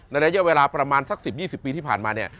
ระยะเวลาประมาณสัก๑๐๒๐ปีที่ผ่านมาเนี่ย